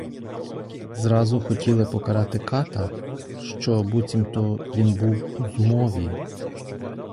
Зразу хотіли покарати ката, що буцімто він був у змові.